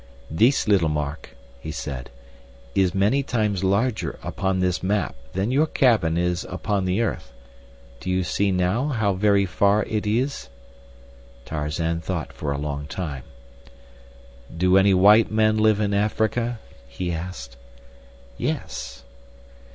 "This little mark," he said, "is many times larger upon this map than your cabin is upon the earth. Do you see now how very far it is?" Tarzan thought for a long time. "Do any white men live in Africa?" he asked. "Yes."